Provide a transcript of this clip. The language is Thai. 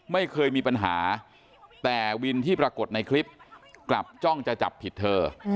ไม่เคยมีปัญหาแต่วินที่ปรากฏในคลิปกลับจ้องจะจับผิดเธอ